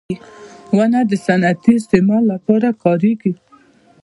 • ونه د صنعتي استعمال لپاره کارېږي.